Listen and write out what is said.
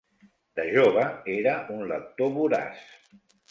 De jove era un lector voraç.